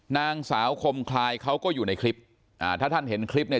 นางสาวคมคลายเขาก็อยู่ในคลิปอ่าถ้าท่านเห็นคลิปเนี่ย